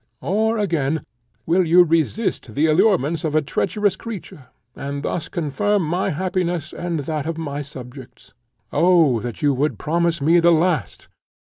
or, again, will you resist the allurements of a treacherous creature, and thus confirm my happiness and that of my subjects? Oh that you would promise me the last!